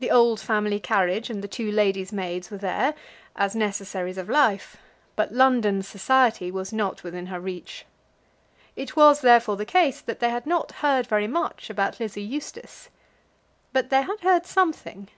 The old family carriage and the two lady's maids were there, as necessaries of life; but London society was not within her reach. It was, therefore, the case that they had not heard very much about Lizzie Eustace. But they had heard something.